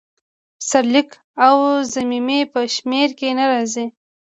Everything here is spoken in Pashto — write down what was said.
سرلیک او ضمیمې په شمیر کې نه راځي.